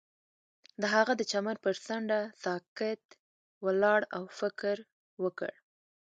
هغه د چمن پر څنډه ساکت ولاړ او فکر وکړ.